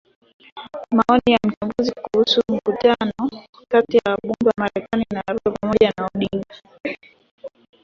Maoni ya mchambuzi kuhusu mkutano kati ya wabunge wa Marekani na Ruto pamoja na Odinga